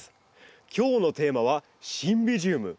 今日のテーマはシンビジウム。